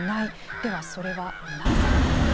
では、それはなぜなのか。